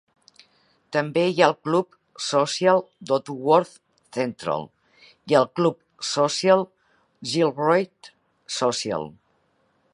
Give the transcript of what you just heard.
També hi ha el Club Social Dodworth Central i el Club Social Gilroyd Social.